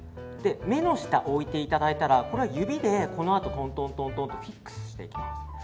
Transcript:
目の下に置いていただいたら指でこのあとトントンとフィックスしていきます。